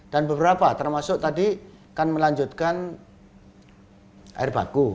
dan beberapa termasuk tadi akan melanjutkan air baku